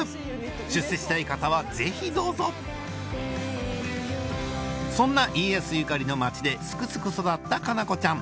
出世したい方はぜひどうぞそんな家康ゆかりの街ですくすく育った夏菜子ちゃん